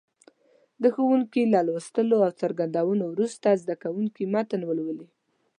د ښوونکي له لوستلو او څرګندونو وروسته زده کوونکي متن ولولي.